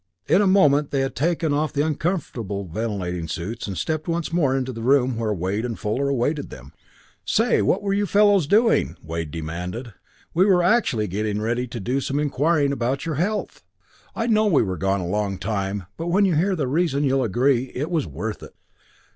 In a moment they had taken off the uncomfortable ventilating suits and stepped once more into the room where Wade and Fuller awaited them. "Say what were you fellows doing?" Wade demanded. "We were actually getting ready to do some inquiring about your health!" "I know we were gone a long time but when you hear the reason you'll agree it was worth it.